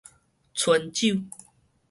春酒